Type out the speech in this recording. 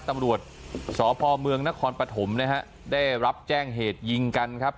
ตำรวจสพเมืองนครปฐมนะฮะได้รับแจ้งเหตุยิงกันครับ